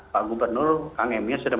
pak gubernur kang emil sudah